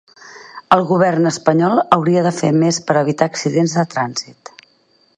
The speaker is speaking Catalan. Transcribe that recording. El govern espanyol hauria de fer més per evitar accidents de trànsit